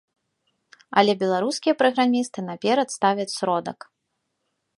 Але беларускія праграмісты наперад ставяць сродак.